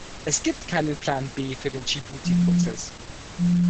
Es gibt keinen Plan B für den Dschibuti-Prozess.